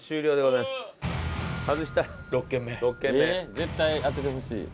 絶対当ててほしい。